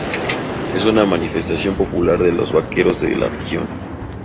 Es una manifestación popular de los vaqueros de la región.